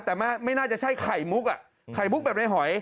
แต่ไม่น่าจะใช่ไข่มุกอ่ะไข่มุกแบบในหอย